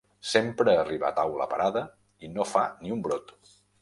Sempre arriba a taula parada i no fa ni un brot.